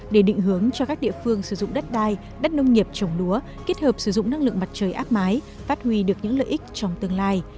để định hướng cho các địa phương sử dụng đất đai đất nông nghiệp trồng lúa kết hợp sử dụng năng lượng mặt trời áp mái phát huy được những lợi ích trong tương lai